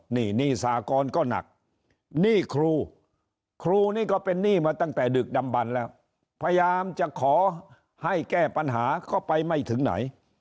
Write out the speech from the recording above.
นี่หนี้สากรก็หนักหนี้ครูครูนี่ก็เป็นหนี้มาตั้งแต่ดึกดำบันแล้วพยายามจะขอให้แก้ปัญหาก็ไปไม่ถึงไหน